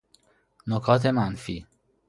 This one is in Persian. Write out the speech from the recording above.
نکات منفی